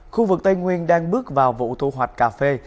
khu vực tây nguyên đang bước vào vụ thu hoạch cà phê